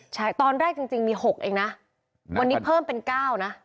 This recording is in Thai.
ใช่ตอนแรกจริงมี๖เองนะวันนี้เพิ่มเป็น๙นะ